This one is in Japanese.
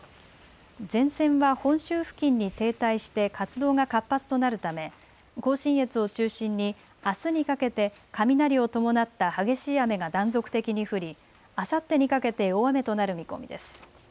前線は本州付近に停滞して活動が活発となるため甲信越を中心にあすにかけて雷を伴った激しい雨が断続的に降りあさってにかけて大雨となる見込みです。